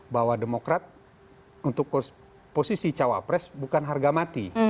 bahwa demokrat untuk posisi cawa pres bukan harga mati